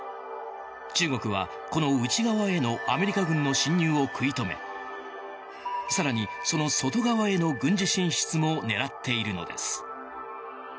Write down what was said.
中国は、この内側へのアメリカ軍の侵入を食い止め更にその外側への軍事進出も狙っているのです。